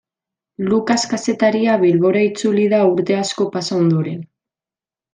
Lukas kazetaria Bilbora itzuli da urte asko pasa ondoren.